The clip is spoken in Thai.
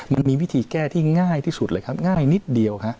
มันมีวิธีแก้ที่ง่ายที่สุดเลยครับง่ายนิดเดียวฮะ